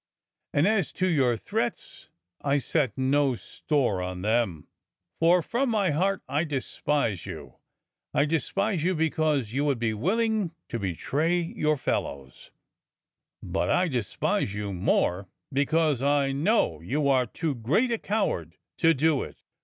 And as to your threats, I set no store on them, for from my heart I despise you; I despise you because you would be willing to betray your fellows, but I despise you more because I know you are too great a coward to do it."